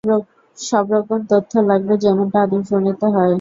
সবরকম তথ্য লাগবে, যেমনটা আদমশুমারিতে হয়।